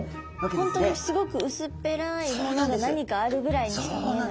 本当にすごくうすっぺらいものが何かあるぐらいにしか見えない？